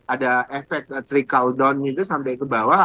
ada efek trickle down itu sampai ke bawah